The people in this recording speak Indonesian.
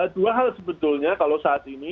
dua hal sebetulnya kalau saat ini